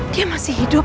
dia masih hidup